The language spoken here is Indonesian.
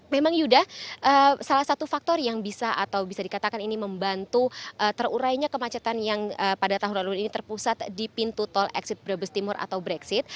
memang yuda salah satu faktor yang bisa atau bisa dikatakan ini membantu terurainya kemacetan yang pada tahun lalu ini terpusat di pintu tol exit brebes timur atau brexit